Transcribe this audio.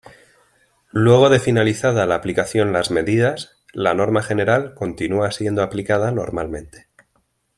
Luego de finalizada la aplicación las medidas, la norma general continúa siendo aplicada normalmente.